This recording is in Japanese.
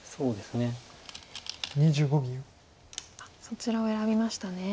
そちらを選びましたね。